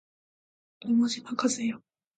妹島和世